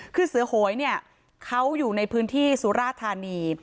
คือเสือโหยเนี่ยเขาอยู่ในพื้นที่สุราธานี